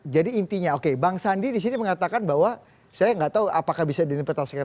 jadi intinya oke bang sandi di sini mengatakan bahwa saya nggak tahu apakah bisa ditentaskan